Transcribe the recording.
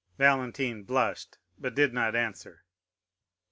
Valentine blushed, but did not answer.